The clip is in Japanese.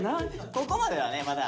ここまではねまだ。